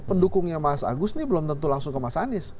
pendukungnya mas agus ini belum tentu langsung ke mas anies